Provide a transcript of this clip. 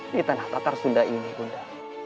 di tanah tatarsunda ini bunda